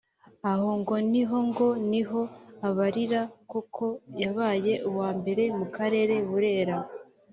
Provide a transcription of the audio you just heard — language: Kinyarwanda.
Aho ngo niho ngo niho abarira ko koko yabaye uwa mbere mu karere (Burera)